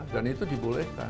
dan itu dibolehkan